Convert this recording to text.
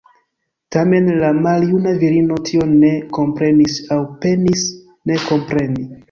Tamen la maljuna virino tion ne komprenis, aŭ penis ne kompreni.